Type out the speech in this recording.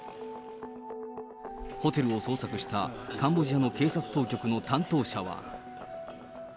ホテルを捜索したカンボジアの警察当局の担当者は。